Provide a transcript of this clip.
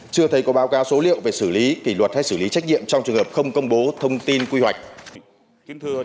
chưa thấy có báo cáo số liệu về xử lý kỷ luật hay xử lý trách nhiệm trong trường hợp không công bố thông tin quy hoạch